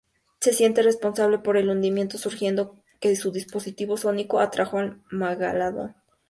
Se siente responsable por el hundimiento, sugiriendo que su dispositivo sónico atrajo al megalodon.